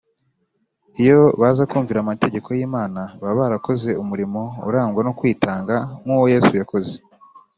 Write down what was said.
iyo baza kumvira amategeko y’imana, baba barakoze umurimo urangwa no kwitanga nk’uwo yesu yakoze